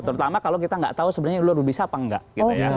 terutama kalau kita nggak tahu sebenarnya lu bisa apa enggak gitu ya